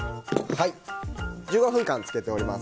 １５分間漬けております。